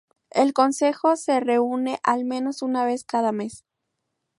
El consejo se reúne al menos una vez cada mes.